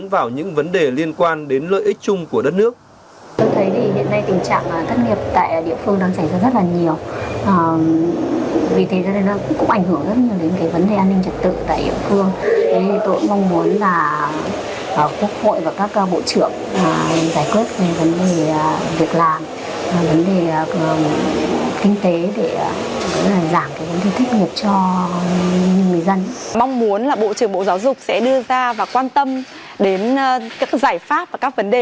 mong muốn là bộ trưởng bộ giáo dục sẽ đưa ra và quan tâm đến các giải pháp và các vấn đề